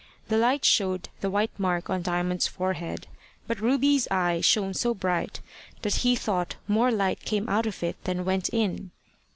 The light showed the white mark on Diamond's forehead, but Ruby's eye shone so bright, that he thought more light came out of it than went in.